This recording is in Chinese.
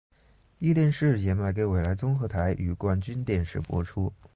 壹电视也卖给纬来综合台与冠军电视播出。